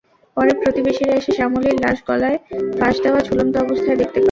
পরে প্রতিবেশীরা এসে শ্যামলীর লাশ গলায় ফাঁস দেওয়া ঝুলন্ত অবস্থায় দেখতে পান।